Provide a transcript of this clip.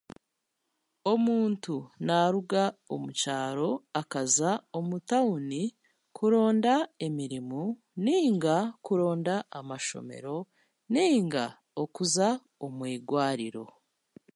Omuntu naaruga omu kyaro akaza omu tawuni kuronda emirimo nainga amashomero nainga okuza omu igwariro